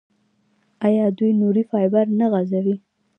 آیا دوی نوري فایبر نه غځوي؟